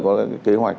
từ nơi xuất phát